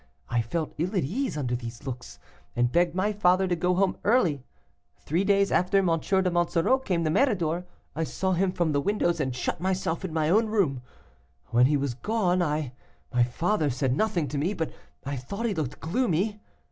I felt ill at ease under these looks, and begged my father to go home early. Three days after M. de Monsoreau came to Méridor; I saw him from the windows, and shut myself up in my own room. When he was gone, my father said nothing to me, but I thought he looked gloomy.